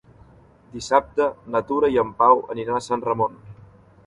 Dissabte na Tura i en Pau aniran a Sant Ramon.